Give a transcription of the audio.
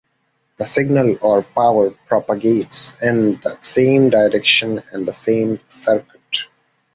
The signal or power propagates in the same direction in the same circuit.